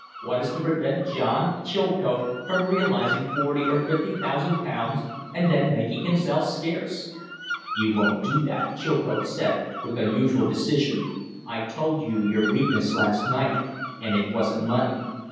What is to prevent John Chilcote from realizing forty or fifty thousand pounds and then making himself scarce?" "You won't do that," Chilcote said, with unusual decision. "I told you your weakness last night; and it wasn't money.